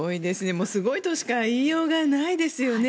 もうすごいとしか言いようがないですよね。